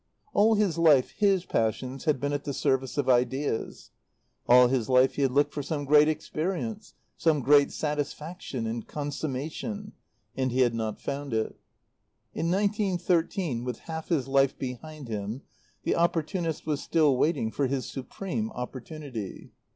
All his life his passions had been at the service of ideas. All his life he had looked for some great experience, some great satisfaction and consummation; and he had not found it. In nineteen thirteen, with half his life behind him, the opportunist was still waiting for his supreme opportunity.